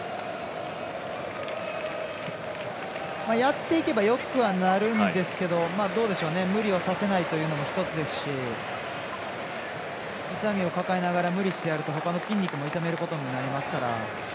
やっていけばよくはなるんですけど無理をさせないというのも１つですし痛みを抱えながら無理してやると他の筋肉も痛めることになりますから。